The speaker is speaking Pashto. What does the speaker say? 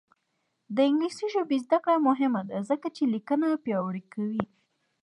د انګلیسي ژبې زده کړه مهمه ده ځکه چې لیکنه پیاوړې کوي.